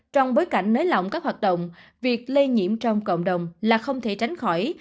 trong bối cảnh nới lỏng các hoạt động việc lây nhiễm trong cộng đồng là không thể tránh khỏi